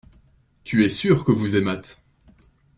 Tu es sûr que vous aimâtes.